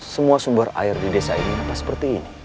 semua sumber air di desa ini apa seperti ini